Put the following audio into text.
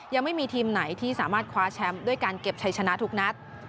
ยังไม่มีทีมไหนที่สามารถคว้าแชมป์ด้วยการเก็บชัยชนะทุกนัด